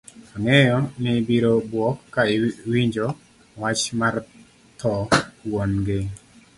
Ang'eyo ibiro buok ka iwonjo wach mar dho wuon gi